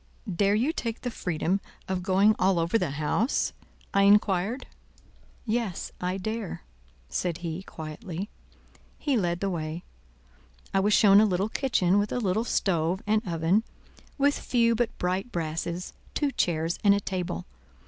"Dare you take the freedom of going all over the house?" I inquired. "Yes, I dare," said he, quietly. He led the way. I was shown a little kitchen with a little stove and oven, with few but bright brasses, two chairs and a table.